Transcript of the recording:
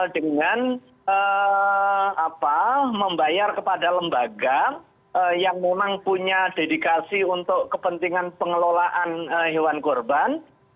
dengan membayar kepada lembaga yang memang punya dedikasi untuk kepentingan pengelolaan hewan kurban